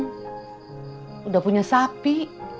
sudah punya sapi